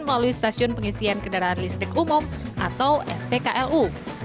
melalui stasiun pengisian kendaraan listrik umum atau spklu